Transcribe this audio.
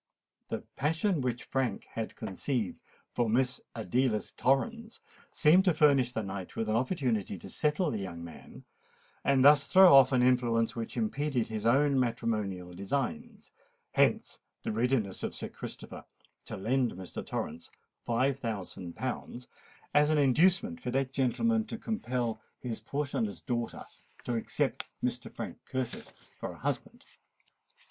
The passion which Frank had conceived for Miss Adelais Torrens seemed to furnish the knight with an opportunity to settle the young man, and thus throw off an influence which impeded his own matrimonial designs: hence the readiness of Sir Christopher to lend Mr. Torrens five thousand pounds as an inducement for that gentleman to compel his portionless daughter to accept Mr. Frank Curtis for a husband.